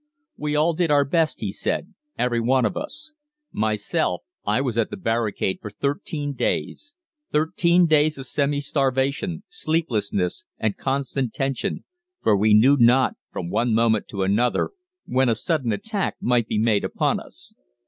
"We all did our best," he said, "every one of us. Myself, I was at the barricade for thirteen days thirteen days of semi starvation, sleeplessness, and constant tension, for we knew not, from one moment to another, when a sudden attack might be made upon us.